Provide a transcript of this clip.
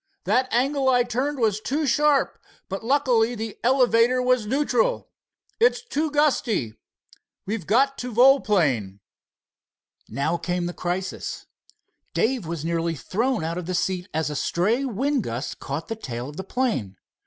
That angle I turned was too sharp, but luckily the elevator was neutral. It's too gusty. We've got to volplane." Now came the crisis. Dave was nearly thrown out of the seat as a stray wind gust caught the tail of the plane.